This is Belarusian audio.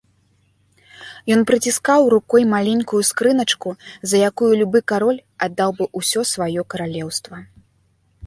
Ён прыціскаў рукой маленькую скрыначку, за якую любы кароль аддаў бы ўсё сваё каралеўства.